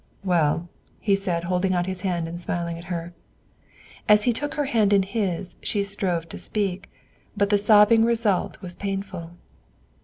"Well?" he said, holding out his hand and smiling at her. As he took her hand in his, she strove to speak; but the sobbing result was painful.